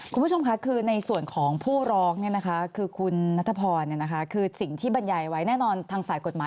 คุณผู้ชมค่ะคือในส่วนของผู้ร้องคือคุณนัทพรคือสิ่งที่บรรยายไว้แน่นอนทางฝ่ายกฎหมาย